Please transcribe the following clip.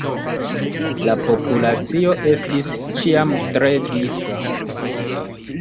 La populacio estis ĉiam tre disa.